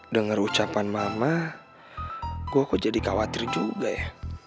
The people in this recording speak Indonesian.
dengar ucapan mama kok jadi khawatir juga ya